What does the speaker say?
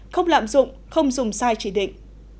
không lạm dụng không dùng sai chỉ định